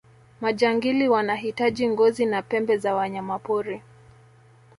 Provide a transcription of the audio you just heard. majangili wanahitaji ngozi na pembe za wanyamapori